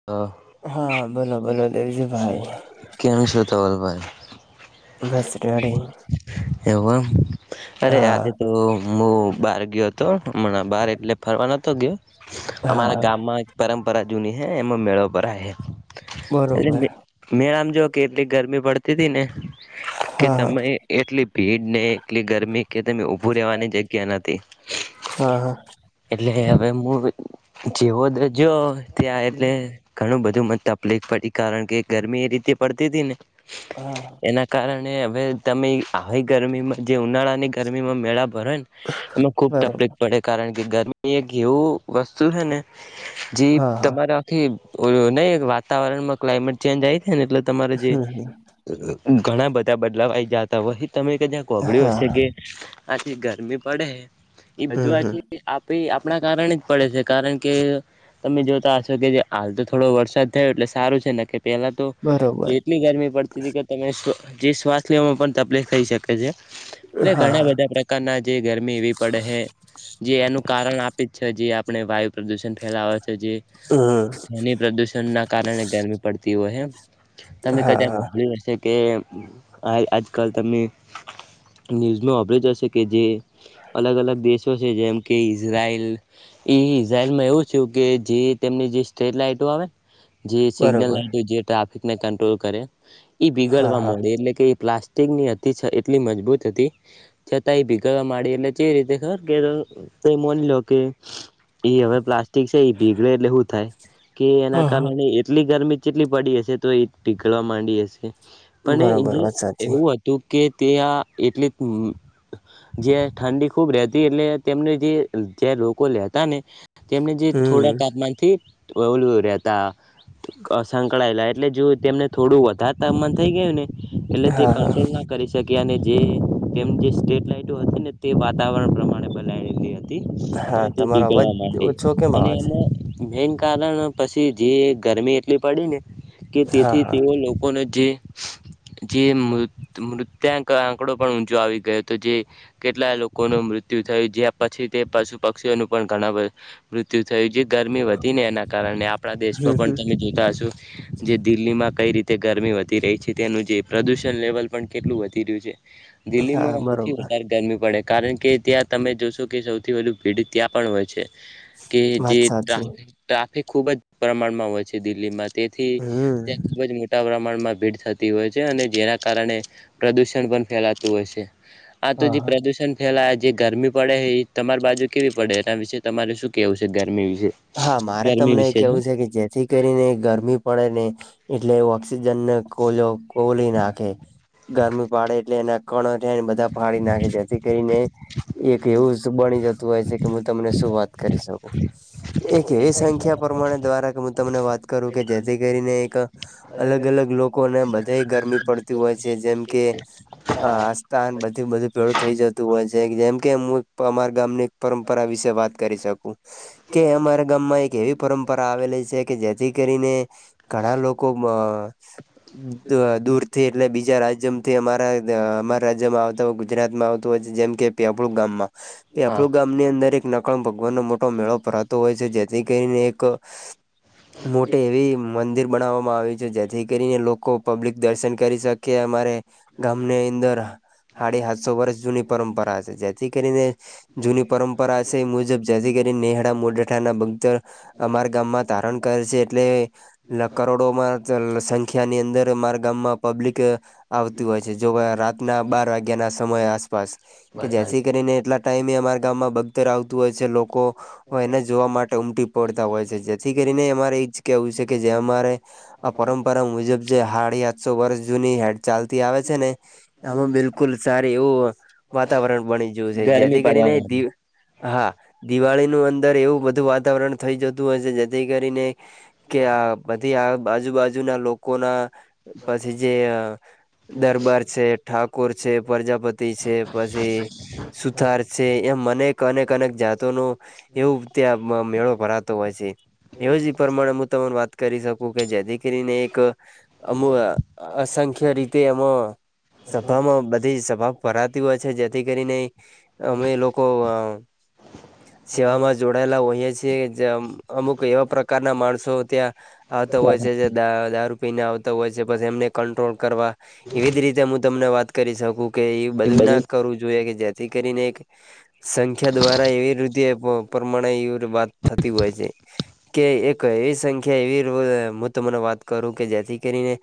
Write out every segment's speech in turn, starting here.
[unintelligible] હા બોલો બોલો દેવજી ભાઈ. કેમ સો ધવલ ભાઈ? બસ રેડી એવું એમ અરે આજે હા તો, મુ બાર ગયો તો હમણાં બાર એટલે ફરવા નતો ગયો અમારા હા ગામમાં પરંપરા જૂની હે એમાં મેળો ભરાય હે. એટલે બરોબર મે મેળા મ જો કે એટલી ગરમી પડતી હતી ને, કે હા તમે એટલી ભીડ ને એટલી ગરમી કે તમે ઊભું રહેવાની જગ્યા નતી. હા હા. એટલે હવે મુ જેવો [unintelligible] જ્યો ત્યાં એટલે ઘણું બધું મને તકલીફ પડી કારણ કે ગરમી એ રીતે પડતી તી ને, હા. એના કારણે હવે તમે આવી ગરમીમાં જે ઉનાળાની ગરમીમાં મેળા ભરોય ન, એમાં ખુબ બરોબર તકલીફ પડે કારણ કે ગરમી એક એવું વસ્તુ હે ને, જી હા હા તમારે આખી નહિ વાતાવરણમાં ક્લાયમેટ ચેન્જ આઈ તી ને એટલે, તમારે જે હમ હમ ઘણા બધા બદલાવ આયી જાતા હોય એ તમે કદાચ હોભલ્યું હા હશે હા કે, આ જે ગરમી પડે હે એ હમ બધું આ હમ જે, આપે આપણા કારણે જ પડે છે કારણ કે તમે જોતા હશો કે જે હાલ થોડો વરસાદ થયો એટલે સારો છે ને કે પહેલા તો બરોબર એટલી ગરમી પડ [unintelligible] જે શ્વાસ લેવામાં પણ તકલીફ થઈ શકે છે એટલે હા ઘણા હા બધા પ્ર કાના જે ગરમી એવી પડે હે. જે એનું કારણ આપે જ છ જે આપણે વાયુ પ્રદુષણ ફેલાવ જે હમ ધ્વનિ પ્રદુષણ ના કારણે ગરમી પડતી હોય હે, તમે હા કદાચ હા હોભલ્યું હશે. કે ભાઇ આજકાલ તમે ન્યૂઝનો ઓભલ્યું જ હશે કે જે, અલગ અલગ દેશો છે જેમ કે ઇઝરાયેલ, એ ઈઝરાયલમાં એવું છું કે જે તેમની જે સ્ટ્રેટ લાઈટો આવે, સિગ્નલ બરોબર લાઈટ જે ટ્રાફિકને કંટ્રોલ કરે એ બીગલવ હા હા મોડી એટલે કે એ પ્લા [unintelligible] ની હતી એટલી મજબૂત હતી. છતા ઈ ભીગાડવા માડી ને ચે રીતે ખબર કેરલ મોનીલો કે, એ હવે પ્લાસ્ટિક સે ઈ ભીગડે એટલે હું થાય કે એના હા હા કારણે નહીં, એટલી ગરમી ચેટલી પડી હશે તો એ પીઘળા માંડી હશે પણ બરોબર એને વાત સાચી એવું હત તુ કે તે આ એટલે હં જે ઠંડી ખુબ રેહતી એટલે તેમને જે જે લોકો લેહતા ને, ચેમને જે થોડા હમ તાપમાન થી ઓલુ રહેતા. ક સંકળાયેલા એટલે જો તેમને થોડું વધારે તામાન થઈ ગયું ને એટલે તે હા હા કંટ્રોલ ના કરી શક્યા ને જે તેમ જે સ્ટેટ લાઈટો હતી ને તે વાતાવરણ પ્રમાણે બનાયેલી હતી. હા અને તે તમારો અવાજ પીઘળવા માંડી ઓછો કેમ અને આવે એમાં, મેન કારણ પસી જે ગરમી એટલી પડી ને, કે છે હા તેથી હા તેઓ લોકોને જે, જે મૃત મૃત્યાંક આંકડો પણ ઊંચો આવી ગયો તો જે, કેટલા લોકોનું મૃત્યુ થયું જે્યા પછી તે પશુ પક્ષીઓનું પણ ઘણા મૃત્યુ થયું જે ગરમી વધી ને એના કારણે આપણા દેશમાં પણ હમ તમે જોતા હશો. જે દિલ્લીમાં કઈ રીતે ગરમી વધી રહી છે તેનું જે પ્રદુષણ લેવલ પણ કેટલું વધી રહ્યું છે. હા દિલ્લીમાં હૌથી બરોબર વધારે ગરમી પડે કારણ કે, ત્યાં તમે જોશો કે સૌથી વધુ ભીડ ત્યાં પણ હોય છે કે વાત જે સાચી ટ્રાફિક ટ્રાફિક ખૂબ જ પ્રમાણમાં હોય છે દિલ્લીમાં, તેથી હમ ત્યાં ખૂબ જ મોટા પ્રમાણમાં ભીડ થતી થતી હોય છે અને જેના કારણે પ્રદુષણ પણ ફેલાતું હોય સે, આ તો હા જે હા પ્રદુષણ એ હાલ જે ગરમી પડે હે ઈ તમારી બાજુ કેવી પડે, એના વિશે તમારે શું કેવું છે? ગરમી વિશે હા, મારે ગરમી તમને એ વિશે જો કેવું છે કે જેથી કરીને ગરમી પડે ને એટલે ઓકસ જનને ખોલો ખોલી નાખે, ગરમી પાડે એટલે એના ખણ ઝેર બધા ફાળી નાખે સે, જેથી કરીને એક એવું બળી જતુ હોય સે કે, હું તમને શું વાત કરી શકુ. એક એવી સંખ્યા પ્રરમાણે દ્વારા કે હું તમને વાત કરું કે જેથી કરીને એક અલગ-અલગ લોકોને બધેય ગરમી પડતી હોય છે, જેમ કે, અ.. આ તાન બધી બધું ભેળું થઈ જતું હોય છે, જેમ કે મુ ત અમાર ગામની પરંપરા વિશે વાત કરી શકું, કે અમારા ગામમાં એક એવી પરંપરા આવેલી સે કે જેથી કરીને ઘણાં લોકો મ.. દ, દુર થી એટલે બીજા રાજ્યમથી અમારા, અમારા જેવા આવતા ગુજરાતમાં આવતું હોય છે, જેમ કે પેંપળુ ગામમાં હા પેપળુ ગામની અંદર એક નકણ ભગવાન નો મોટો મેળો ભરાતો હોય છે, જેથી કરીને એક મોટી એવી મંદિર બણાવામાં આવે છે, જેથી કરી એ લોકો પબ્લિક દર્શન કરી શકીએ, અમારે ગામની અંદર હાળી હાતસો વરસ જૂની પરંપરા સે, જેથી કરીને જૂની પરં પરાશેય એ મુજબ જેથી કરી નેહળા મોડઠાના બકતર અમારા ગામમાં તારણ કર છે, એટલે લકરોડોમાં ચલ સંખ્યાની અંદર અમાર ગામમાં પબ્લિક આવતી હોય છે, જોવા રાતના બાર વાગ્યાના સમય આસપાસ કે જ્યાં બરાબર થી કરીને એટલા ટાઈમે એ અમારા ગામમાં બકતર આવતું હોય છે, લોકો હોય એને જોવા માટે ઉમટી પળતા હોય છે, જેથી કરીને અમારે ઈચ કેવું છે, કે જે અમારે આ પરંપરા મુજબ જે હાળી આતસો વરસ જૂની હેડ ચાલતી આવે છે, ને આમાં બિલકુલ સારી એવું વાતાવરણ બણી જયું છે, ગરમી જેથી પડે કરીને દી હા, દિવાળીનું અંદર એવું બધું વાતાવરણ થઈ જતું હોય છે, જેથી કરીને કે આ બધી આ બાજુ-બાજુના લોકો ના પછી જે અ, દરબાર છે, ઠાકોર છે, પરજાપતિ છે, પછી સુથાર છે, એમ મને અનેક-અનેક જાતો નો ત્યાં મ, મેળો ભરાતો હોય છે. એવ જ પ્રમાણે હું તને વાત કરી શકું કે જેથી કરીને એક અમુ અસંખ્ય રીતે એમાં સભામાં બધી સભા ભરાતી હોય છે, જેથી કરીને અમે લોકો અ.. સેવામાં જોડાયેલા હોઈએ છીએ, જે આમ, અમુક એવા પ્રકારના માણસો ત્યાં આવતા હોય છે, જે દા, દારૂ પીને આવતો હોય છે, પછી એમને કંટ્રોલ કરવા એવી જ રીતે હું તમને વાત કરી શકું કે એ બધું ના કરવું જોઈએ, કે જે થી કરીને એક સંખ્યા દ્વારા એવી રૂઘી અપ પ્રમાણ આવી વાત થતી હોય છે, કે એક એ સંખ્યા ખ્યા એવી રો કે હું તમને વાત કરું કે જેથી કરીને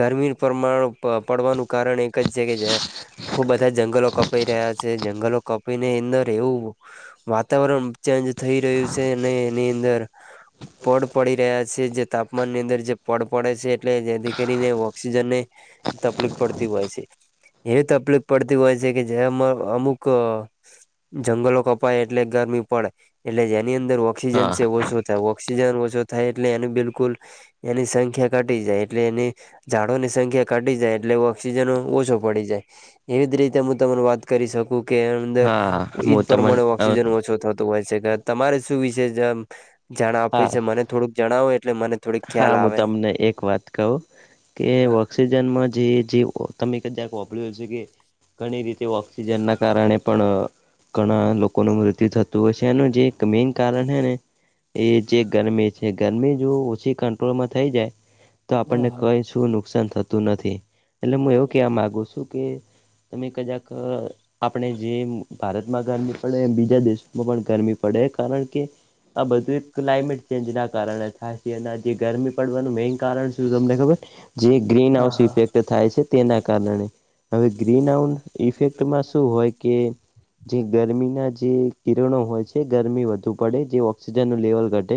ગરમી પરમાણ પ, પડવાનું કારણ એક જ છે કે જ્યાં ખુબ બધા જંગલો કપાઈ રહ્યા છે, જંગલો કપી અંદર રેવું, વાત વાતાવરણ ચેન્જ થઈ રહ્યું છે અને એની અંદર [unintelligible] પડ પડી રહ્યા છે જે તાપમાનની અંદર જે પડ પડે છે એટલે જેથી કરીને ઓક્સિજનને તકલીફ પડતી હોય છે. એવી તકલીફ પડતી હોય છે કે જેમાં અમુક જંગલો કપાય એટલે ગરમી પડે એટલે જે એની અંદર ઓક્સિજન હા સેવ ઓછો ઓક્સિજન ઓછો થાય એટલે એની બિલકુલ એની સંખ્યા ઘટી જાય એટલે એની ઝાડોની સંખ્યા ઘટી જાય એટલે ઓક્સિજન ઓછો પડી જાય. એવી જ રીતે હું તમને વાત કરી શકું કે અંદર હા ઈ હું જ તમન પ્રમાણે ઓક્ ઓછું થતું હોય છે કે તમારે શું વિશે જ જાણ હા આપે છે મને જણાવો એટલે મને થોડીક હા, ખ્યાલ હું આવે તમને એક વાત કહું કે હા ઓક્સિ જન જે જે તમે ક્દાચ હોમભાડયું હશે કે ઘણી રીતે ઑક્સિજનના કારણે પણ ઘણા લોકોનું મૃત્યુ થતું હોય છે એનું જે એક મેન કારણ હે ને એ જે ગરમી છે ગરમી જો પછી કંટ્રોલમાં થઈ જાય તો આપણને હા કઈ શું નુકસાન થતું નથી. એટલે મું એવું કહેવા માગુ છું કે તમે કદાક આપણે જેમ ભારતમાં ગરમી પડે એમ બીજા દેશોમાં પણ ગરમી પડે કારણ કે આ બધું એક ક્લાઇમેટ ચેન્જના કારણે થાય. અન જે આ ગરમી પડવાનું મેઈન કારણ શું તમને ખબર? જે ગ્રીન હા હાઉસ હા ઇફેક્ટ છે તેના કારણે. હવે ગ્રીન હાઉડ ઇફેક્ટમાં શું હોય કે જે ગરમીના જે કિરણો હોય છે ગરમી વધુ પડે જે ઓક્સિજનનું લેવલ ઘટે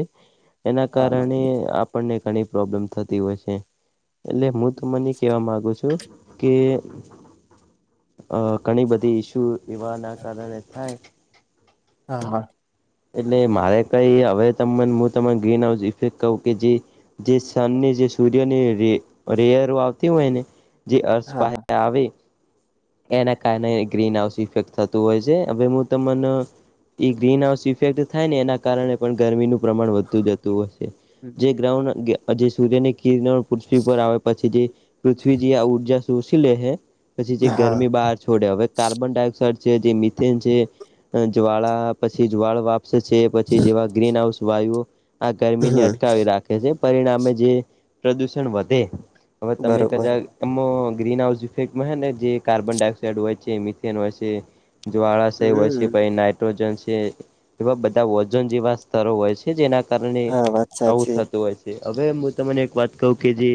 એના કાર ણે આપણને ઘણી પ્રોબ્લેમ થતી હોય છે. એટલે મું તમને કેહેવા માંગુ છું કે અ ઘણી બધી ઈસુ એવા ના કારણે થાય. હા હા. એટલે મારે કઈ હવે તમન મું તમે ગ્રીન હાઉસ ઇફેક્ટ કઉં કે જે જે સનની જે સૂર્યની રે રેયર આવતી હોયને જે અર્સ હા પાહે હા આવે એના કારણે ગ્રીન હાઉસ ઇફેક્ટ થતું હોય છે હવે હું તમન ઈ ગ્રીન હાઉસ ઇફેક્ટ થાય ને એના કારણે પણ ગરમીનું પ્રમાણ વધતુ જતું હશે હમ જે ગ્રાઉન્ડ [unintelligible] જે સૂર્યની કિરણ પૃથ્વી પર આવે પછી જે પૃથ્વીજી આ ઉર્જા શોષી લે હે જે હા ગરમી બાહર છોડે, હવે કાર્બન ડાયોક્સાઇડ છે, જે મિથેન છે, જ્વાળા પછી જ્વાળા વાપ છે પછી જેવા ગ્રીન હાઉસ વાયુઓ આ ગરમી ને હમ અટકાવી રાખે છે. પરિણામે જે પ્રદૂષણ વધે હવે તમે બરોબર કદાચ એમમાં ગ્રીન હાઉસ ઈફેક્ટમાં હે ને જે કાર્બન ડાયોક્સાઇડ હોય છે, મિથેન હોય છે. જ્વાળાશય હોય છે હમ પહિ નાઇટ્રોજન છે એવા બધા ઓઝોન જેવા સ્તરો હોય છે જેના કારણે હા વાત આવું સાચી થતું હોય હવે મું તમને એક વાત કહું કે જે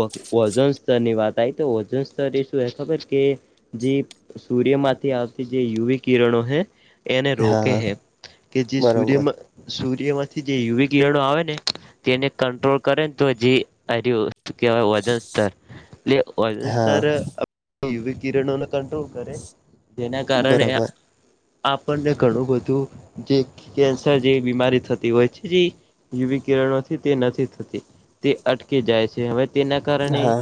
ઓ ઓઝોન સ્તરની વાત તાઈ તો ઓઝોન સ્તર એ શું હોય ખબર? કે જે સૂર્યમાંથી આવતી જે યુવી કિરણો હે એને રોકે હા હે કે જે બરોબર સૂર્યમાં સૂર્યમાંથી જે યુવિક કિરણો આવે ને તેને કંટ્રોલ કરે ને તો જે આય રયુ કેવાય ઓઝોન સ્તર એટલે ઓઝોન હા સ્તર યુવી કિરણોને કંટ્રોલ કરે જેના કારણે આ બરોબર આપણને ઘણું બધું જે કેન્સર જેવી બીમારી થતી હોય છે જે યુવી કિરણોથી તે નથી થતી તે અટકી જાય છે હવે તેના કારણે હા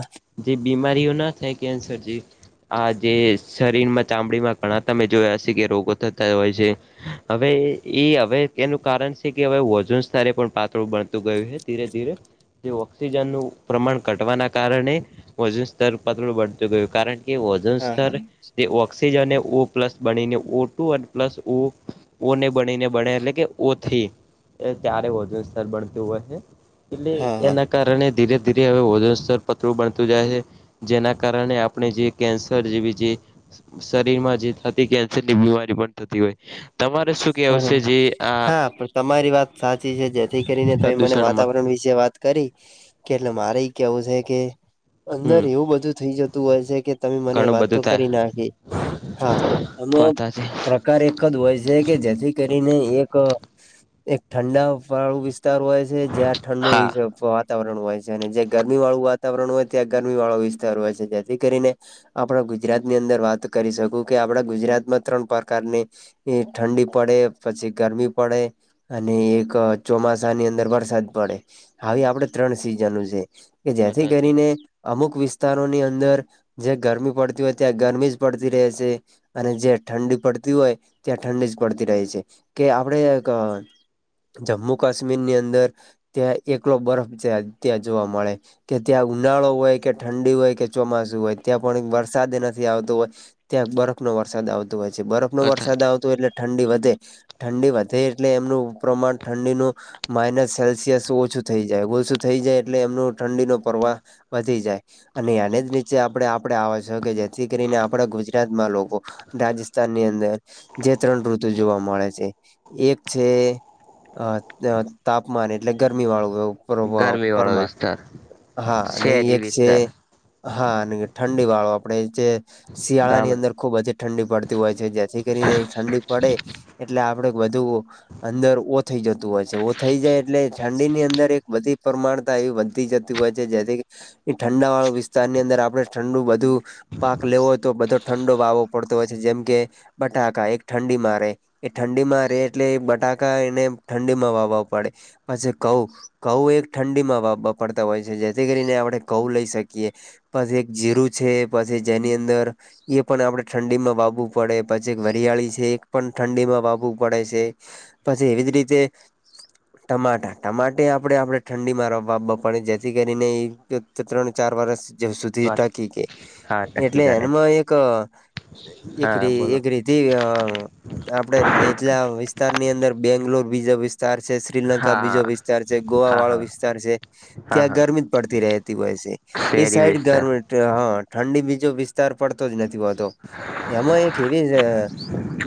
જે બીમારીઓ ના થાય કેન્સર આ જે શરીરમાં ચામડીમાં ઘણા તમે જોયા હશે કે રોગો થતા હોય છે. હવે એ હવે એનું કારણ છે કે હવે વજન સ્તરે પણ પાતળું બણતું ગયું છે ધીરે ધીરે તે ઓક્સિજનનું પ્રમાણ ઘટવાના કારણે ઔજન સ્તર પાતળું કારણ કે ઔજન હા હા સ્તર એ ઓક્સિજન અને ઓ પ્લસ બનીને ઓ ટુ અને પ્લસ ઓ ઓને બણી ને બણે એટલે કે ઓથી એ ત્યારે ઔજન સ્તર બણતું હોય છે એટલે હા એના કારણે ધીરે ધીરે હવે ઔજન સ્તર પતડુ બનતું જાય છે જેના કારણે આપણે જે કેન્સર જેવી જે શરીરમાં જે થતી ની બીમારી પણ થતી હોય તમારે શું કેવુ છે બરોબર જે આ હા પણ તમારી વાત સાચી છે જેથી કરીને તમે મને પ્રદુષણમાં વાતાવરણ વિશે વાત કરી કે એટલે મારે કેવું છે કે અંદર હમ એવું બધું થઈ જતું હોય છે કે તમે મને ઘણું વાત તો બધું થાય કરી નાખી હા એમાં વાતા છે પ્રકાર એક જ હોય કે જેથી કરીને એક એક ઠંડા વાળો વિસ્તાર હોય જયા ઠંડો હા વિસ્તાર હોય વાતાવરણ હોય છે અને જે ગરમી વાળું વાતાવરણ હોય ત્યાં ગરમી વાળો વિસ્તાર હોય છે જેથી કરીને આપણા ગુજરાત ની અંદર વાત કરી શકું કે આપડા ગુજરાતમાં ત્રણ પ્રકારની એ ઠંડી પડે, પછી ગરમી પડે અને એક ચોમાસાની અંદર વરસાદ પડે આવી આપડે ત્રણ સિઝનો છે. કે જેથી કરીને વધારે અમુક વિસ્તારોની અંદર જે ગરમી પડતી હોય ત્યાં ગરમી જ પડતી રહે છે અને જે ઠંડી પડતી હોય ત્યાં ઠંડી જ પડતી રહે છે કે આપણે જમ્મુ કાશ્મીરની અંદર ત્યાં એકલો બરફ જ ત્યાં જોવા મળે કે ત્યાં ઉનાળો હોય કે ઠંડી હોય કે ચોમાસું હોય ત્યાં પણ વરસાદ નથી આવતો ત્યાં બરફ નો વરસાદ આવતો હોય છે બરફ નો વરસાદ આવતો હોય એટલે ઠંડી વધે ઠંડી વધે એટલે એમનું પ્રમાણ ઠંડીનું માઇનસ સેલ્સિયસ ઓછું થઈ જાય ઓછું થઈ જાય એટલે એમનું ઠંડીનો પ્રવાહ વધી જાય અને એને જ નીચે આપણે આપડે આવે છ કે જેથી કરીને આપડા ગુજરાતમાં લોકો રાજસ્થાન ની અંદર જે ત્રણ ઋતુ જોવા મળે છે. એક છે તાપમાન એટલે ગરમી વાળું એવું ગરમી વાળો પરમાર વિસ્તાર હા અને શહેરી એક છે. વિસ્તાર હા ઠંડી વાળો આપણેે જે શિયાળા ની અંદર ગામડા ખૂબજ ઠંડી પડતી હોય છે જેથી કરીને ઠંડી પડે એટલે આપડે બધું અંદર ઓ થઈ જતું હોય છે ઓ થઈ જાય એટલે ઠંડી ની અંદર એક બધી પ્રમાણતા એ વધતી જતી હોય છે જેથી એ ઠંડા વાળા વિસ્તારની અંદર આપણે ઠંડુ બધું પાક લેવો હોય તો બધો ઠંડો વાવો પડતો હોય છે જેમ કે બટાકા એક ઠંડીમાં રહે એ ઠંડીમાં રહે એટલે બટાકા એને ઠંડીમાં વાવવા પડે. પછી કહું ધઉ એક ઠંડીમાં વાબબા પડતા હોય છે જેથી કરીને આપણે ઘઉ લઈ શકીએ. પછી એક જીરુ છે પછી જેની અંદર એ પણ આપડે ઠંડીમાં વાવવું પડે પછી વરિયાળી છે એક પણ ઠંડીમાં વાવવુ પડે છે પછી એવી જ રીતે ટમાટા, ટમાટે આપડે-આપડે ઠંડીમાં વાવવા પડે જેથી કરીને એ ત્રણ-ચાર વર્ષ જ સુધી ટકી કે હા એટલે નક્કી કરે એમાં એક એક હા બોલો રિ-એક રી તે આપડે નીચલા વિસ્તારની અંદર બેંગ્લોર બીજા વિસ્ તાર છે, શ્રીલંકા હા બીજો વિસ્તાર છે, ગોવા હા વાળો હા વિસ્તાર છે. હા હા ત્યાં હા ગરમી જ પડતી રહેતી હોય સે એ શહેરી સાઈડ વિસ્તાર ગરમ હા ઠંડી બીજો વિસ્તાર પડતો જ નથી હોતો, એમાં એક એવી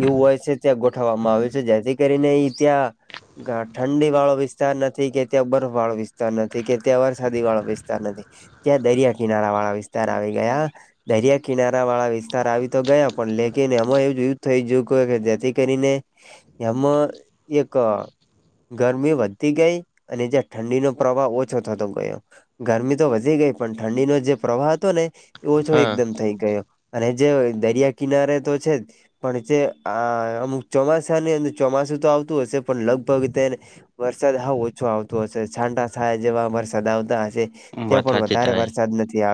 એવું હોય છે ત્યાં ગોઠવવામાં આવ્યું છે જેથી કરીને ઈ ત્યાં ઠંડી વાળો વિસ્તાર નથી કે ત્યાં બરફ વાળો વિસ્તાર નથી કે ત્યાં વરસાદી વાળો વિસ્તાર નથી. ત્યાં દરિયા કિનારા વાળા વિસ્તાર આવી ગયા. દરિયા કિનારા વાળા વિસ્તાર આવી તો ગયા પણ લેકીને અમાં એવુ [unintelligible] થઈ જ્યું હો કે જેથી કરીને એમાં એક ગરમી વધતી ગઈ અને જ્યાં ઠંડીનો પ્રવાહ ઓછો થતો ગયો. ગરમી તો વધી ગઈ પણ ઠંડીનો જે પ્રવાહ હતો ને ઓછો હા એકદમ થઈ ગયો અને જે દરિયા કિનારે તો છે જ પણ જે આ અમુક ચોમાસાની અં-ચોમાસું તો આવતું હશે પણ લગભગ તેને વરસાદ હાવ ઓછો આવતો હશે છાંટા-છયા જેવા વરસાદ આવતા હશે. ત્યાં પણ વધારે વરસાદ નથી આ